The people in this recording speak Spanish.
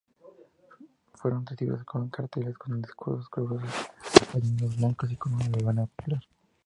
Fueron recibidos con carteles, con discursos calurosos, pañuelos blancos y con una verbena popular.